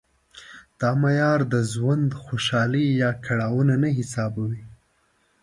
دا معیار د ژوند خوشالي یا کړاو نه حسابوي.